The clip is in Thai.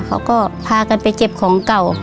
เขาก็พากันไปเก็บของเก่า